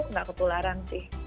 nggak ketularan sih